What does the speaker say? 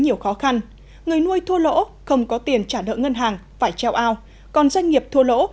nhiều khó khăn người nuôi thua lỗ không có tiền trả nợ ngân hàng phải treo ao còn doanh nghiệp thua lỗ